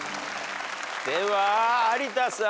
では有田さん。